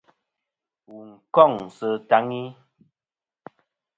Wù n-kôŋ sɨ taŋi.